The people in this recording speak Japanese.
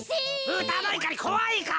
ブタのいかりこわいかお。